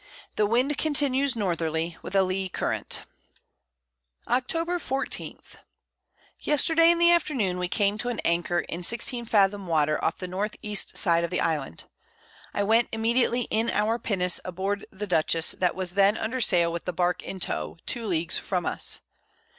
The Wind continues Northerly, with a Lee Current. Octob. 14. Yesterday in the Afternoon we came to an Anchor in 16 Fathom Water off the N. E. Side of the Island. I went immediately in our Pinnace aboard the Dutchess, that was then under Sail with the Bark in Tow, 2 Leagues from us.